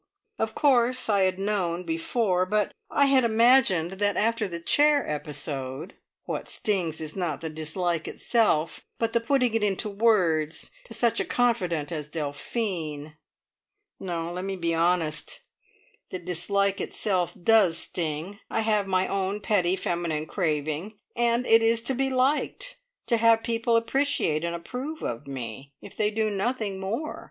Of course I had known before, but I had imagined that after the chair episode What stings is not the dislike itself, but the putting it into words to such a confidante as Delphine. No, let me be honest; the dislike itself does sting. I have my own petty feminine craving, and it is to be liked, to have people appreciate and approve of me, if they do nothing more.